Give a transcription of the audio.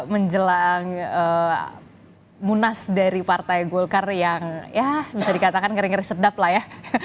menjelang munas dari partai golkar yang ya bisa dikatakan ngeri ngeri sedap lah ya